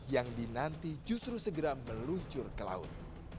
yang dinanti justru segera meluncur ke laut